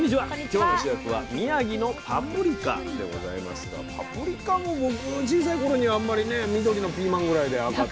今日の主役は宮城のパプリカでございますがパプリカも僕小さい頃にあんまりね緑のピーマンぐらいで赤と。